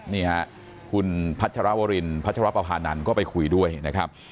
เนี่ยคุณพัชรวรินพัชรปาพาณร์ก็ไปคุยด้วยนะครับ